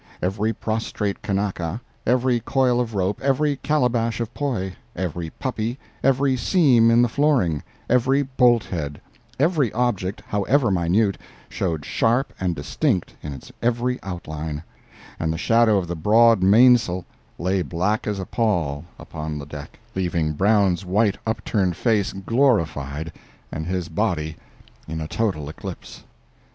Every prostrate Kanaka; every coil of rope; every calabash of poi; every puppy; every seam in the flooring; every bolthead; every object, however minute, showed sharp and distinct in its every outline; and the shadow of the broad mainsail lay black as a pall upon the deck, leaving Brown's white upturned face glorified and his body in a total eclipse.